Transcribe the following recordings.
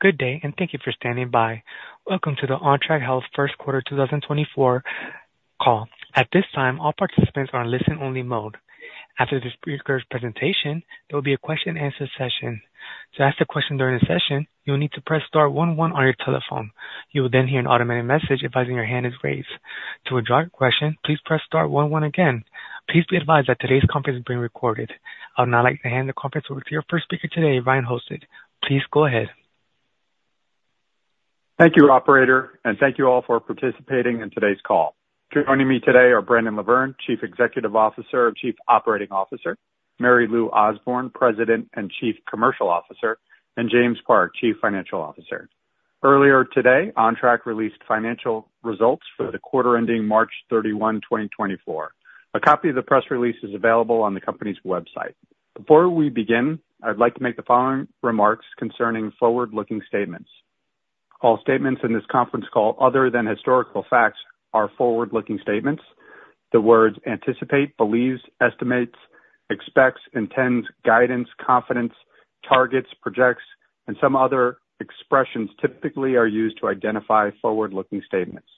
Good day, and thank you for standing by. Welcome to the Ontrak Health First Quarter 2024 Call. At this time, all participants are in listen-only mode. After the speaker's presentation, there will be a question-and-answer session. To ask a question during the session, you will need to press star one one on your telephone. You will then hear an automated message advising your hand is raised. To withdraw your question, please press star one one again. Please be advised that today's conference is being recorded. I would now like to hand the conference over to your first speaker today, Ryan Halsted. Please go ahead. Thank you, operator, and thank you all for participating in today's call. Joining me today are Brandon LaVerne, Chief Executive Officer and Chief Operating Officer, Mary Louise Osborne, President and Chief Commercial Officer, and James Park, Chief Financial Officer. Earlier today, Ontrak released financial results for the quarter ending March 31, 2024. A copy of the press release is available on the company's website. Before we begin, I'd like to make the following remarks concerning forward-looking statements. All statements in this conference call other than historical facts, are forward-looking statements. The words anticipate, believes, estimates, expects, intends, guidance, confidence, targets, projects, and some other expressions typically are used to identify forward-looking statements.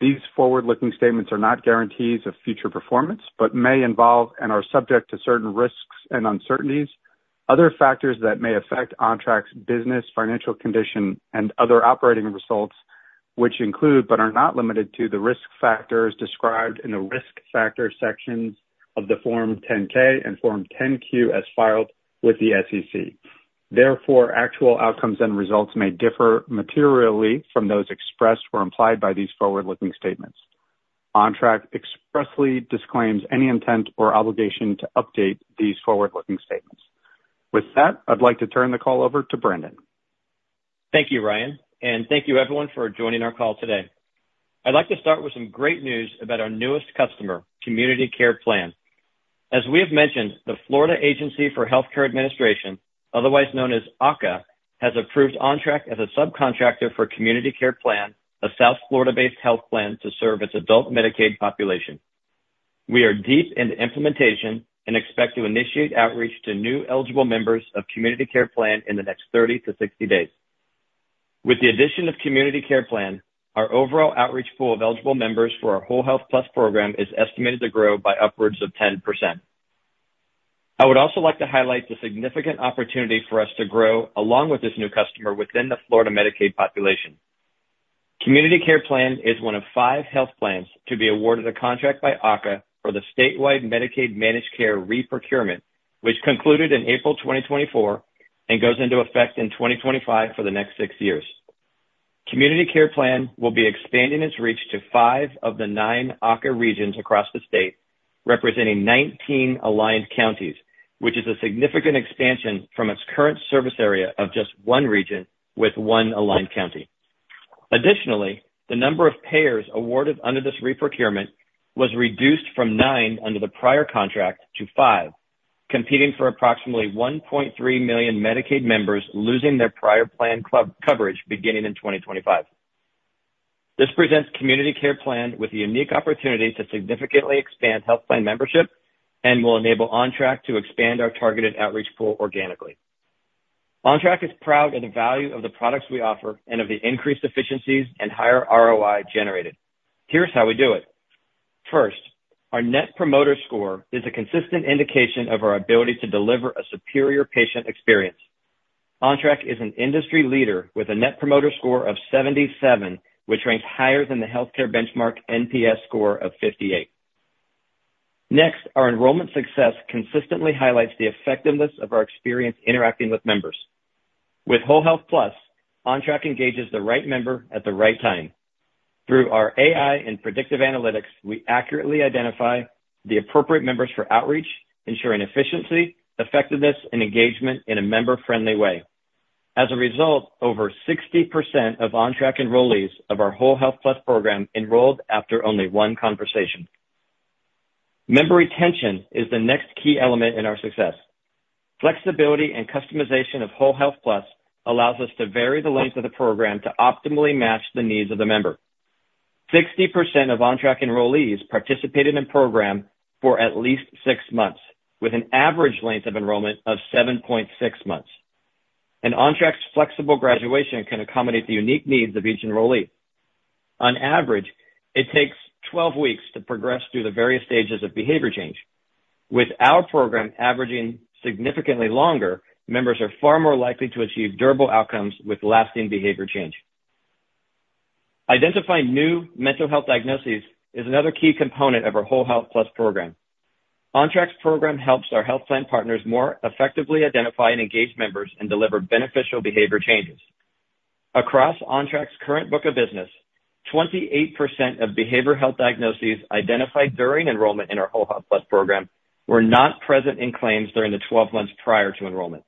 These forward-looking statements are not guarantees of future performance, but may involve and are subject to certain risks and uncertainties. Other factors that may affect Ontrak's business, financial condition, and other operating results, which include, but are not limited to, the risk factors described in the Risk Factors sections of the Form 10-K and Form 10-Q as filed with the SEC. Therefore, actual outcomes and results may differ materially from those expressed or implied by these forward-looking statements. Ontrak expressly disclaims any intent or obligation to update these forward-looking statements. With that, I'd like to turn the call over to Brandon. Thank you, Ryan, and thank you everyone for joining our call today. I'd like to start with some great news about our newest customer, Community Care Plan. As we have mentioned, the Florida Agency for Health Care Administration, otherwise known as AHCA, has approved Ontrak as a subcontractor for Community Care Plan, a South Florida-based health plan to serve its adult Medicaid population. We are deep into implementation and expect to initiate outreach to new eligible members of Community Care Plan in the next 30-60 days. With the addition of Community Care Plan, our overall outreach pool of eligible members for our Whole Health Plus program is estimated to grow by upwards of 10%. I would also like to highlight the significant opportunity for us to grow along with this new customer within the Florida Medicaid population. Community Care Plan is one of five health plans to be awarded a contract by AHCA for the statewide Medicaid Managed Care Reprocurement, which concluded in April 2024 and goes into effect in 2025 for the next six years. Community Care Plan will be expanding its reach to five of the nine AHCA regions across the state, representing 19 aligned counties, which is a significant expansion from its current service area of just one region with one aligned county. Additionally, the number of payers awarded under this reprocurement was reduced from nine under the prior contract to five, competing for approximately 1.3 million Medicaid members losing their prior plan coverage beginning in 2025. This presents Community Care Plan with a unique opportunity to significantly expand health plan membership and will enable Ontrak to expand our targeted outreach pool organically. Ontrak is proud of the value of the products we offer and of the increased efficiencies and higher ROI generated. Here's how we do it. First, our Net promoter score is a consistent indication of our ability to deliver a superior patient experience. Ontrak is an industry leader with a net promoter score of 77, which ranks higher than the healthcare benchmark NPS score of 58. Next, our enrollment success consistently highlights the effectiveness of our experience interacting with members. With Whole Health Plus, Ontrak engages the right member at the right time. Through our AI and predictive analytics, we accurately identify the appropriate members for outreach, ensuring efficiency, effectiveness, and engagement in a member-friendly way. As a result, over 60% of Ontrak enrollees of our Whole Health Plus program enrolled after only one conversation. Member retention is the next key element in our success. Flexibility and customization of Whole Health Plus allows us to vary the length of the program to optimally match the needs of the member. 60% of Ontrak enrollees participated in program for at least six months, with an average length of enrollment of 7.6 months, and Ontrak's flexible graduation can accommodate the unique needs of each enrollee. On average, it takes 12 weeks to progress through the various stages of behavior change. With our program averaging significantly longer, members are far more likely to achieve durable outcomes with lasting behavior change. Identifying new mental health diagnoses is another key component of our Whole Health Plus program. Ontrak's program helps our health plan partners more effectively identify and engage members and deliver beneficial behavior changes. Across Ontrak's current book of business, 28% of behavioral health diagnoses identified during enrollment in our Whole Health Plus program were not present in claims during the 12 months prior to enrollment.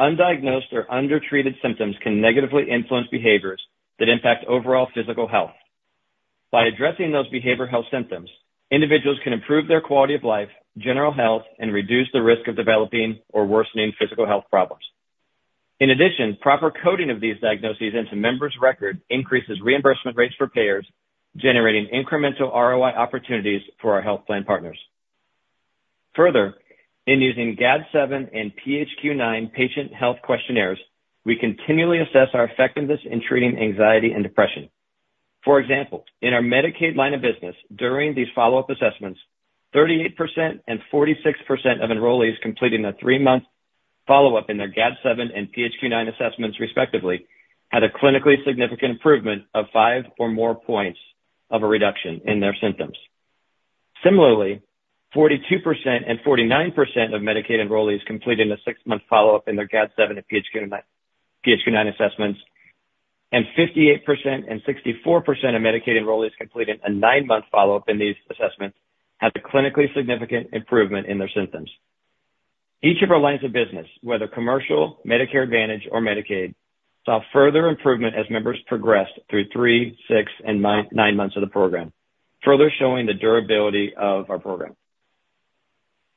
Undiagnosed or undertreated symptoms can negatively influence behaviors that impact overall physical health. By addressing those behavioral health symptoms, individuals can improve their quality of life, general health, and reduce the risk of developing or worsening physical health problems. In addition, proper coding of these diagnoses into members' record increases reimbursement rates for payers, generating incremental ROI opportunities for our health plan partners. Further, in using GAD-7 and PHQ-9 patient health questionnaires, we continually assess our effectiveness in treating anxiety and depression. For example, in our Medicaid line of business, during these follow-up assessments, 38% and 46% of enrollees completing the three-month follow-up in their GAD-7 and PHQ-9 assessments, respectively, had a clinically significant improvement of five or more points of a reduction in their symptoms. Similarly, 42% and 49% of Medicaid enrollees completing a six-month follow-up in their GAD-7 and PHQ-9 assessments, and 58% and 64% of Medicaid enrollees completing a nine-month follow-up in these assessments, had a clinically significant improvement in their symptoms. Each of our lines of business, whether commercial, Medicare Advantage, or Medicaid, saw further improvement as members progressed through three, six, and nine months of the program, further showing the durability of our program.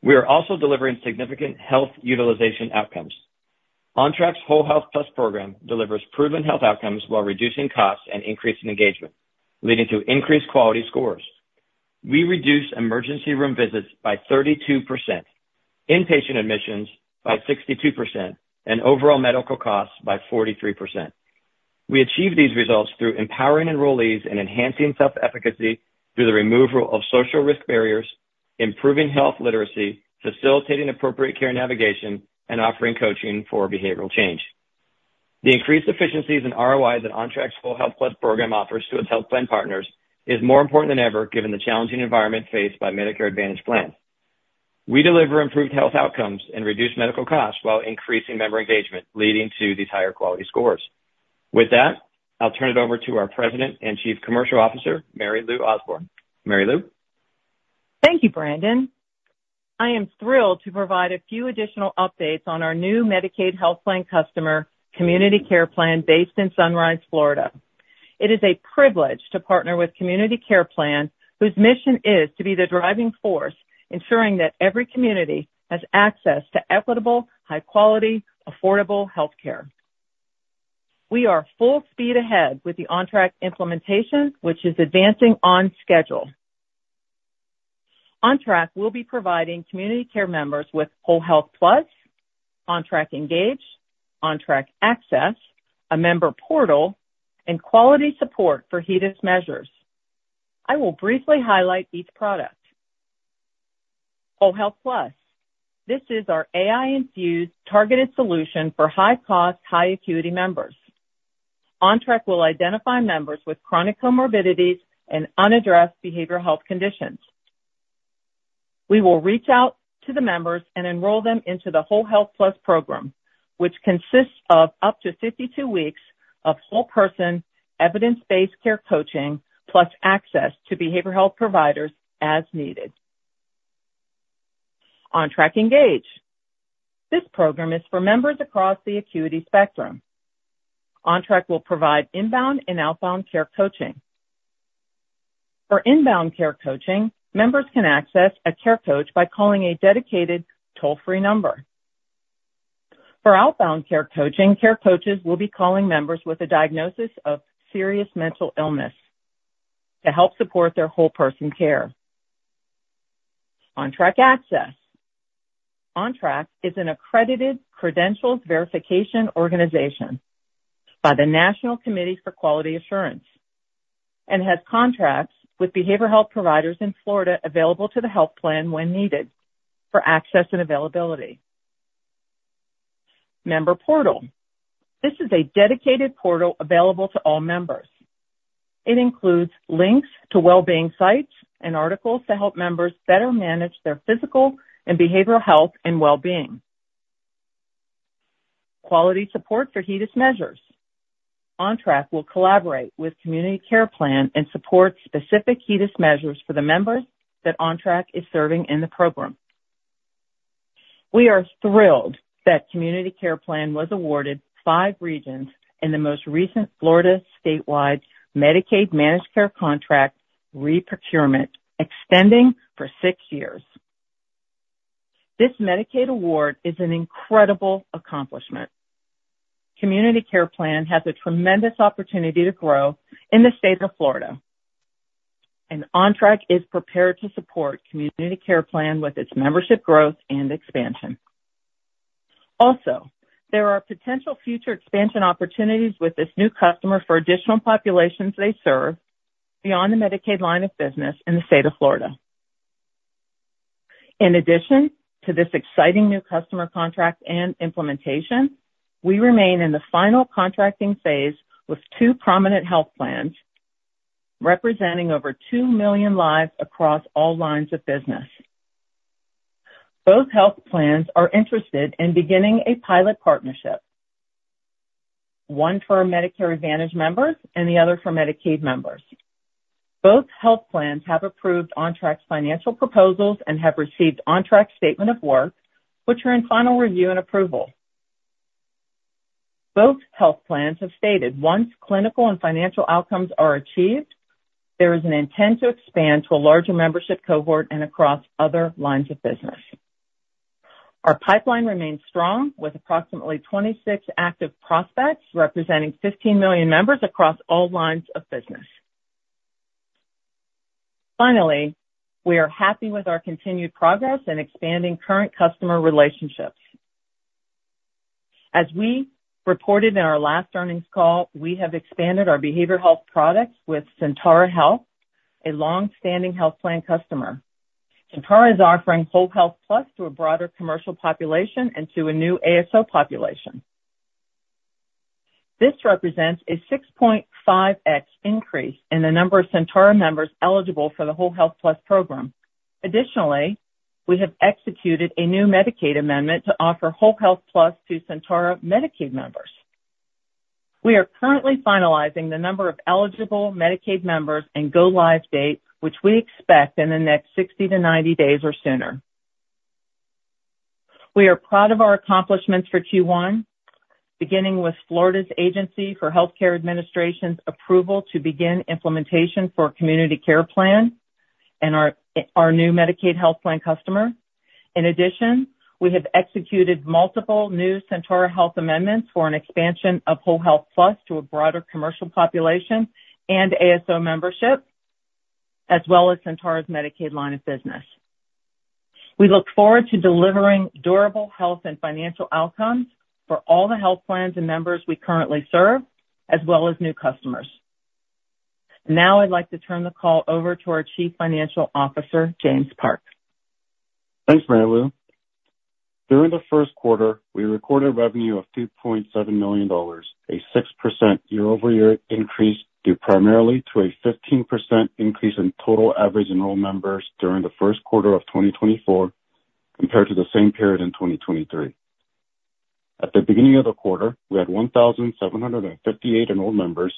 We are also delivering significant health utilization outcomes. Ontrak's Whole Health Plus program delivers proven health outcomes while reducing costs and increasing engagement, leading to increased quality scores. We reduce emergency room visits by 32%, inpatient admissions by 62%, and overall medical costs by 43%. We achieve these results through empowering enrollees and enhancing self-efficacy through the removal of social risk barriers, improving health literacy, facilitating appropriate care navigation, and offering coaching for behavioral change. The increased efficiencies and ROIs that Ontrak's Whole Health Plus program offers to its health plan partners is more important than ever, given the challenging environment faced by Medicare Advantage plans. We deliver improved health outcomes and reduced medical costs while increasing member engagement, leading to these higher quality scores. With that, I'll turn it over to our President and Chief Commercial Officer, Mary Lou Osborne. Mary Lou? Thank you, Brandon. I am thrilled to provide a few additional updates on our new Medicaid health plan customer, Community Care Plan, based in Sunrise, Florida. It is a privilege to partner with Community Care Plan, whose mission is to be the driving force, ensuring that every community has access to equitable, high-quality, affordable health care. We are full speed ahead with the Ontrak implementation, which is advancing on schedule. Ontrak will be providing community care members with Whole Health Plus, Ontrak Engage, Ontrak Access, a member portal, and quality support for HEDIS measures. I will briefly highlight each product. Whole Health Plus. This is our AI-infused, targeted solution for high-cost, high-acuity members. Ontrak will identify members with chronic comorbidities and unaddressed behavioral health conditions. We will reach out to the members and enroll them into the Whole Health Plus program, which consists of up to 52 weeks of whole-person, evidence-based care coaching, plus access to behavioral health providers as needed. Ontrak Engage. This program is for members across the acuity spectrum. Ontrak will provide inbound and outbound care coaching. For inbound care coaching, members can access a care coach by calling a dedicated toll-free number. For outbound care coaching, care coaches will be calling members with a diagnosis of serious mental illness to help support their whole person care. Ontrak Access. Ontrak is an accredited credentials verification organization by the National Committee for Quality Assurance, and has contracts with behavioral health providers in Florida available to the health plan when needed for access and availability. Member Portal. This is a dedicated portal available to all members. It includes links to well-being sites and articles to help members better manage their physical and behavioral health and well-being. Quality support for HEDIS measures. Ontrak will collaborate with Community Care Plan and support specific HEDIS measures for the members that Ontrak is serving in the program. We are thrilled that Community Care Plan was awarded five regions in the most recent Florida Statewide Medicaid Managed Care Contract reprocurement, extending for six years. This Medicaid award is an incredible accomplishment. Community Care Plan has a tremendous opportunity to grow in the state of Florida, and Ontrak is prepared to support Community Care Plan with its membership growth and expansion. Also, there are potential future expansion opportunities with this new customer for additional populations they serve beyond the Medicaid line of business in the state of Florida. In addition to this exciting new customer contract and implementation, we remain in the final contracting phase with two prominent health plans, representing over 2 million lives across all lines of business. Both health plans are interested in beginning a pilot partnership, one for our Medicare Advantage members and the other for Medicaid members. Both health plans have approved Ontrak's financial proposals and have received Ontrak's statement of work, which are in final review and approval. Both health plans have stated once clinical and financial outcomes are achieved, there is an intent to expand to a larger membership cohort and across other lines of business. Our pipeline remains strong, with approximately 26 active prospects representing 15 million members across all lines of business. Finally, we are happy with our continued progress in expanding current customer relationships. As we reported in our last earnings call, we have expanded our behavioral health products with Sentara Health, a long-standing health plan customer. Sentara is offering Whole Health Plus to a broader commercial population and to a new ASO population. This represents a 6.5x increase in the number of Sentara members eligible for the Whole Health Plus program. Additionally, we have executed a new Medicaid amendment to offer Whole Health Plus to Sentara Medicaid members. We are currently finalizing the number of eligible Medicaid members and go-live date, which we expect in the next 60-90 days or sooner. We are proud of our accomplishments for Q1, beginning with Florida's Agency for Health Care Administration's approval to begin implementation for Community Care Plan and our new Medicaid health plan customer. In addition, we have executed multiple new Sentara Health amendments for an expansion of Whole Health Plus to a broader commercial population and ASO membership, as well as Sentara's Medicaid line of business. We look forward to delivering durable health and financial outcomes for all the health plans and members we currently serve, as well as new customers. Now I'd like to turn the call over to our Chief Financial Officer, James Park. Thanks, Mary Lou. During the first quarter, we recorded revenue of $2.7 million, a 6% year-over-year increase, due primarily to a 15% increase in total average enrolled members during the first quarter of 2024, compared to the same period in 2023. At the beginning of the quarter, we had 1,758 enrolled members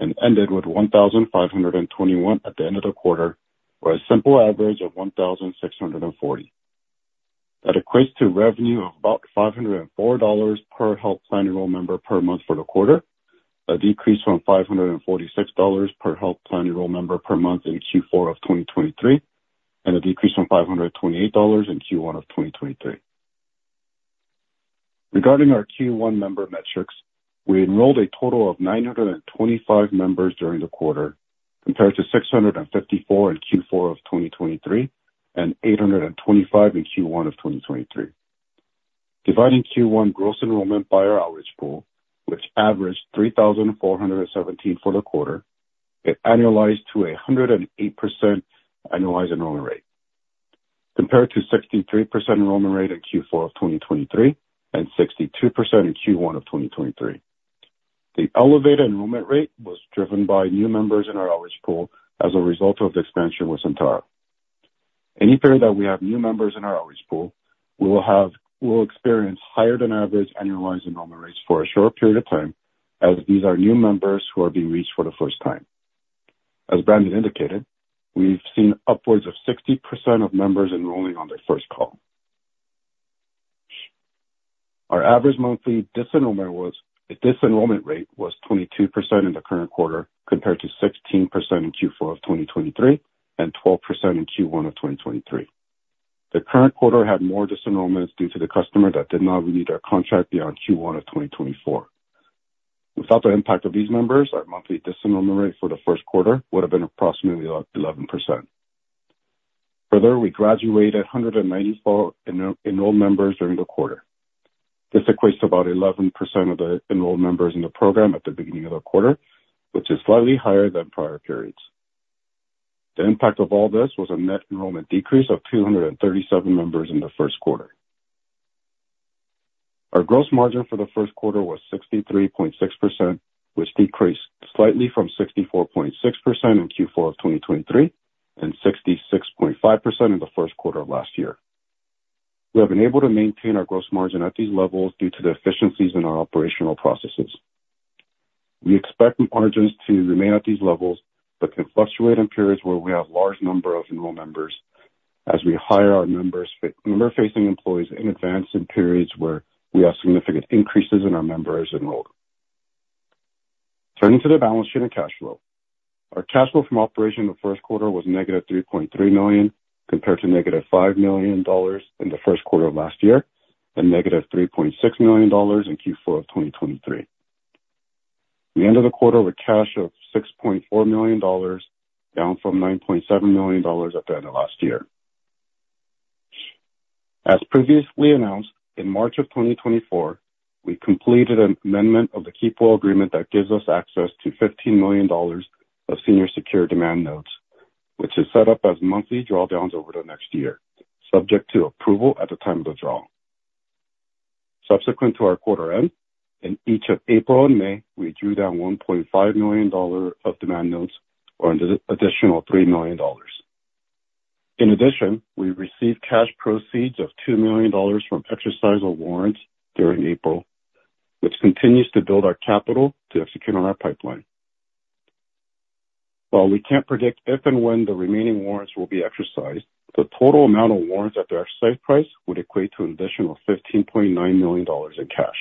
and ended with 1,521 at the end of the quarter, or a simple average of 1,640. That equates to revenue of about $504 per health plan enrolled member per month for the quarter, a decrease from $546 per health plan enrolled member per month in Q4 of 2023, and a decrease from $528 in Q1 of 2023. Regarding our Q1 member metrics, we enrolled a total of 925 members during the quarter, compared to 654 in Q4 of 2023 and 825 in Q1 of 2023. Dividing Q1 gross enrollment by our outreach pool, which averaged 3,417 for the quarter, it annualized to a 108% annualized enrollment rate, compared to 63% enrollment rate in Q4 of 2023 and 62% in Q1 of 2023. The elevated enrollment rate was driven by new members in our outreach pool as a result of expansion with Sentara. Any period that we have new members in our outreach pool, we'll experience higher than average annualized enrollment rates for a short period of time, as these are new members who are being reached for the first time. As Brandon indicated, we've seen upwards of 60% of members enrolling on their first call. Our average monthly disenrollment was, a disenrollment rate was 22% in the current quarter, compared to 16% in Q4 of 2023 and 12% in Q1 of 2023. The current quarter had more disenrollments due to the customer that did not renew their contract beyond Q1 of 2024. Without the impact of these members, our monthly disenrollment rate for the first quarter would have been approximately 11%. Further, we graduated 194 enrolled members during the quarter. This equates to about 11% of the enrolled members in the program at the beginning of the quarter, which is slightly higher than prior periods. The impact of all this was a net enrollment decrease of 237 members in the first quarter. Our gross margin for the first quarter was 63.6%, which decreased slightly from 64.6% in Q4 of 2023, and 66.5% in the first quarter of last year. We have been able to maintain our gross margin at these levels due to the efficiencies in our operational processes. We expect margins to remain at these levels, but can fluctuate in periods where we have large number of enrolled members as we hire our members, member-facing employees in advance in periods where we have significant increases in our members enrolled. Turning to the balance sheet and cash flow. Our cash flow from operation in the first quarter was negative $3.3 million, compared to -$5 million in the first quarter of last year, and -$3.6 million in Q4 of 2023. The end of the quarter with cash of $6.4 million, down from $9.7 million at the end of last year. As previously announced, in March of 2024, we completed an amendment of the key pool agreement that gives us access to $15 million of senior secured demand notes, which is set up as monthly drawdowns over the next year, subject to approval at the time of the draw. Subsequent to our quarter end, in each of April and May, we drew down $1.5 million of demand notes, or an additional $3 million. In addition, we received cash proceeds of $2 million from exercise of warrants during April, which continues to build our capital to execute on our pipeline. While we can't predict if and when the remaining warrants will be exercised, the total amount of warrants at the exercise price would equate to an additional $15.9 million in cash.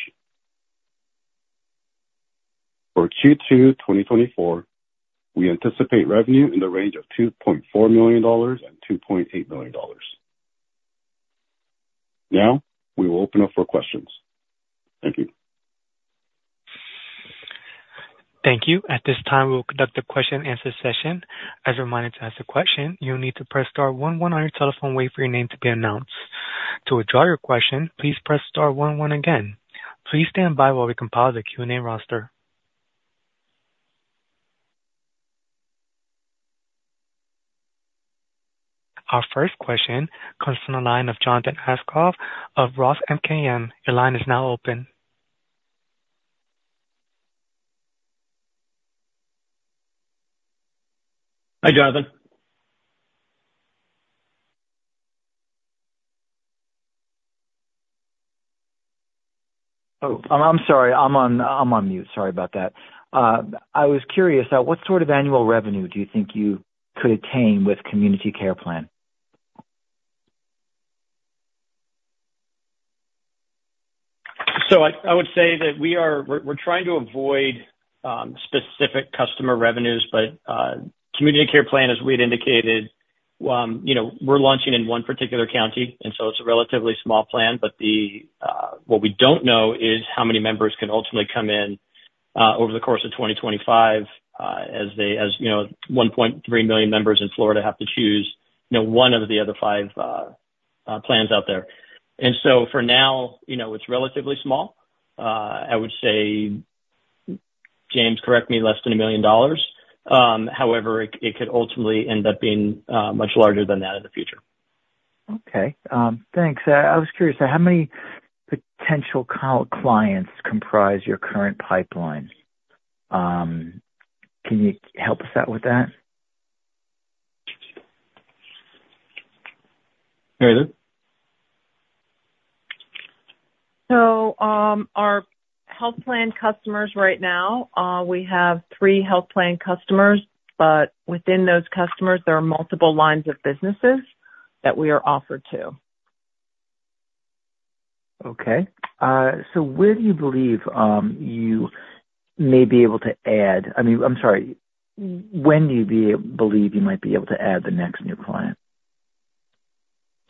For Q2 2024, we anticipate revenue in the range of $2.4 million-$2.8 million. Now, we will open up for questions. Thank you. Thank you. At this time, we will conduct a question and answer session. As a reminder, to ask a question, you need to press star one one on your telephone, wait for your name to be announced. To withdraw your question, please press star one one again. Please stand by while we compile the Q&A roster. Our first question comes from the line of Jonathan Aschoff of Roth MKM. Your line is now open. Hi, Jonathan. Oh, I'm sorry. I'm on mute. Sorry about that. I was curious, at what sort of annual revenue do you think you could attain with Community Care Plan? So I would say that we are, we're trying to avoid specific customer revenues, but Community Care Plan, as we had indicated, you know, we're launching in one particular county, and so it's a relatively small plan. But what we don't know is how many members can ultimately come in over the course of 2025, as you know, 1.3 million members in Florida have to choose, you know, one of the other five plans out there. And so for now, you know, it's relatively small. I would say, James, correct me, less than $1 million. However, it could ultimately end up being much larger than that in the future. Okay. Thanks. I was curious, how many potential customers comprise your current pipeline? Can you help us out with that? Mary Lou? Our health plan customers right now, we have three health plan customers, but within those customers, there are multiple lines of businesses that we are offered to. Okay. So where do you believe you may be able to add—I mean, I'm sorry, when do you believe you might be able to add the next new client?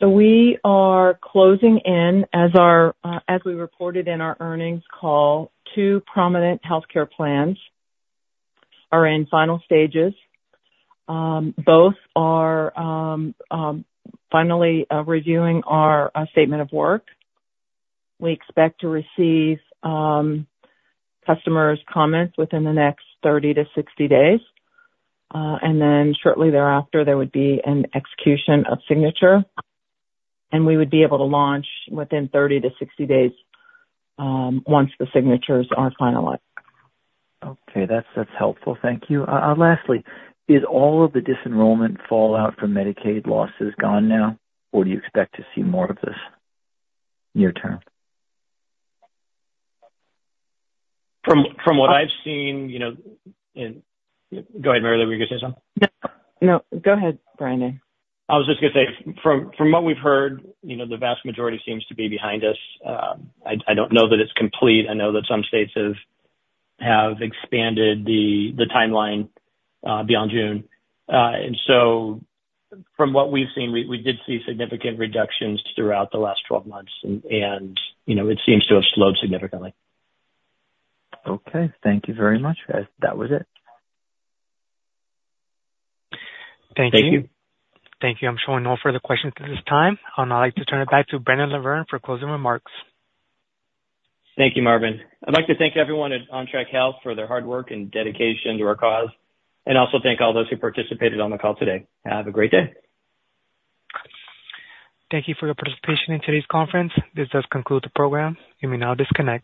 So we are closing in as our, as we reported in our Earnings Call, two prominent healthcare plans are in final stages. Both are finally reviewing our statement of work. We expect to receive customers' comments within the next 30-60 days. And then shortly thereafter, there would be an execution of signature, and we would be able to launch within 30-60 days once the signatures are finalized. Okay. That's, that's helpful. Thank you. Lastly, is all of the disenrollment fallout from Medicaid losses gone now, or do you expect to see more of this near term? From what I've seen, you know, and. Go ahead, Mary Lou. Were you gonna say something? No, no, go ahead, Brandon. I was just gonna say, from what we've heard, you know, the vast majority seems to be behind us. I don't know that it's complete. I know that some states have expanded the timeline beyond June. And so from what we've seen, we did see significant reductions throughout the last 12 months and, you know, it seems to have slowed significantly. Okay. Thank you very much, guys. That was it. Thank you. Thank you. Thank you. I'm showing no further questions at this time. I'd now like to turn it back to Brandon LaVerne for closing remarks. Thank you, Marvin. I'd like to thank everyone at Ontrak Health for their hard work and dedication to our cause, and also thank all those who participated on the call today. Have a great day. Thank you for your participation in today's conference. This does conclude the program. You may now disconnect.